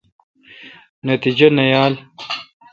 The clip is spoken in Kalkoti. نتیجہ نہ یال۔